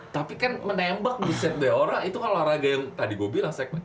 tapi kan menembak di set beora itu olahraga yang tadi gue bilang segmen